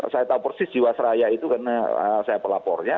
saya tahu persis jiwasraya itu karena saya pelapornya